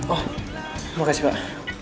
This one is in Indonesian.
oh makasih pak